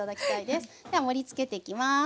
では盛りつけていきます。